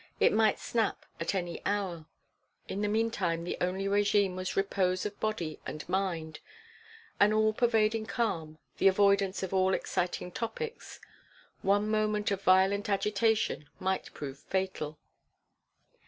It might snap at any hour. In the meantime the only regime was repose of body and mind, an all pervading calm, the avoidance of all exciting topics. One moment of violent agitation might prove fatal.